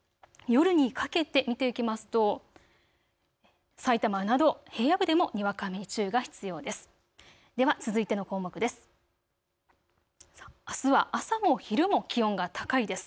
夜にかけて見ていきますとさいたまなど平野部でもにわか雨に注意が必要です。